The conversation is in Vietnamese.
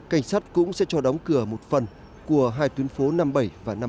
cảnh sát cũng sẽ cho đóng cửa một phần của hai tuyến phố năm bảy và năm mươi